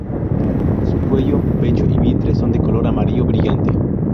Su cuello, pecho y vientre son de color amarillo brillante.